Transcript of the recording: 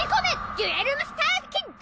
『デュエル・マスターズキング！』。